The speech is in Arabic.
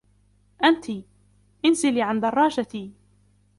أنتِ، انزلي عن درّاجتي.